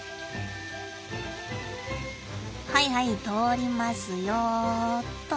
はいはい通りますよっと。